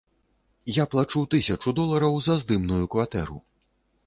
Я плачу тысячу долараў за здымную кватэру.